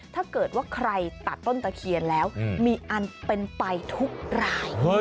ถ้าเกิดว่าใครตัดต้นตะเคียนแล้วมีอันเป็นไปทุกราย